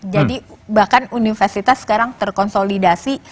jadi bahkan universitas sekarang terkonsolidasi